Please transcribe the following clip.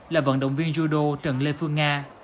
là vận động viên judo trần lê phương nga